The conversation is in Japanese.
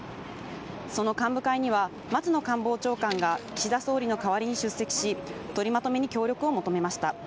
その幹部会には松野官房長官が岸田総理の代わりに出席し、取りまとめに協力を求めました。